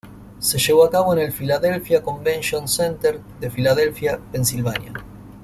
Se llevó a cabo en el Philadelphia Convention Center de Filadelfia, Pensilvania.